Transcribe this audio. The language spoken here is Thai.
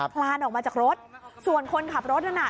พลานออกมาจากรถส่วนคนขับรถนั้นน่ะ